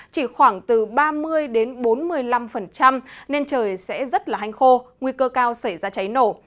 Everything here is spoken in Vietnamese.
chỉ khoảng từ ba mươi đến bốn mươi năm nên trời sẽ rất là hanh khô nguy cơ cao xảy ra cháy nổ